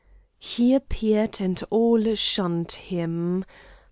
He appeared, and all shunned him.